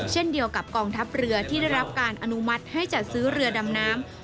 เช่นเดียวกับกองทัพเรือที่ได้รับการอนุมัติให้จัดซื้อเรือดำน้ำ